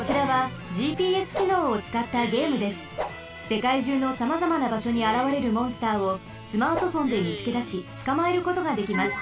せかいじゅうのさまざまなばしょにあらわれるモンスターをスマートフォンでみつけだしつかまえることができます。